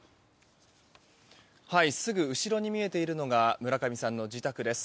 すぐ後ろに見えているのが村上さんの自宅です。